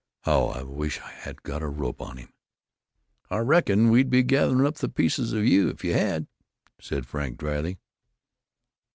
"How I wish I had got the rope on him!" "I reckon we'd be gatherin' up the pieces of you if you had," said Frank, dryly.